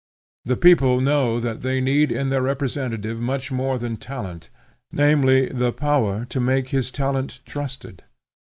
The people know that they need in their representative much more than talent, namely the power to make his talent trusted.